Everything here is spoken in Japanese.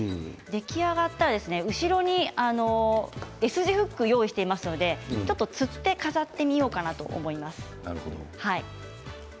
出来上がったら後ろにＳ字フックをご用意してますのでつって飾ってみようと思います。